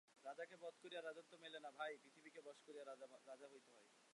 রাজাকে বধ করিয়া রাজত্ব মেলে না ভাই, পৃথিবীকে বশ করিয়া রাজা হইতে হয়।